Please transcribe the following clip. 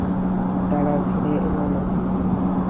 তারা ফিরে এলো না।